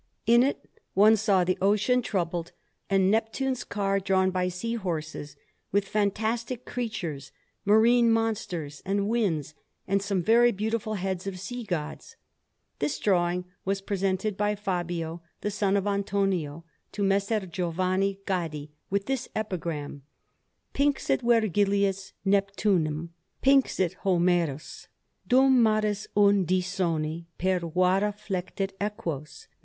In it one saw the ocean troubled, and Neptune's car drawn by sea horses, with fantastic creatures, marine monsters and winds, and some very beautiful heads of sea gods. This drawing was presented by Fabio, the son of Antonio, to Messer Giovanni Gaddi, with this epigram: Pinxit Virgilius Neptunum, pinxit Homerus, Dum maris undisoni per vada flectit equos.